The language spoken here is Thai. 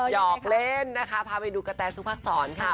ยอกเล่นนะคะพาไปดูกะแทนซูภาคศรค่ะ